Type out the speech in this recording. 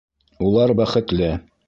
Улар бәхетле.